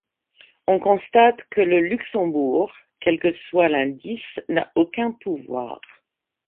On constate que le Luxembourg, quel que soit l'indice, n'a aucun pouvoir.